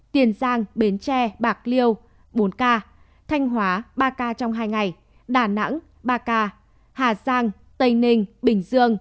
tiền giang bến tre bạc liêu bốn ca thanh hóa ba ca trong hai ngày đà nẵng ba ca hà giang tây ninh bình dương